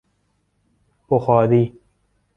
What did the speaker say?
بخاری